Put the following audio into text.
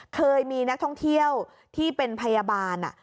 เคยมีนักท่องเที่ยวที่เป็นพยาบาล